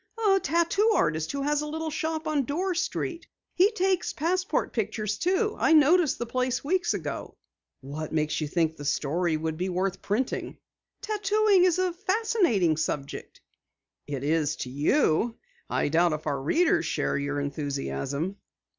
"A tattoo artist who has a little shop on Dorr Street. He takes passport pictures, too. I noticed the place weeks ago." "What makes you think the story would be worth printing?" "Tattooing is a fascinating subject." "It is to you. I doubt if our readers share your enthusiasm."